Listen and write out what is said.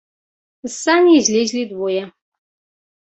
З саней злезлі двое.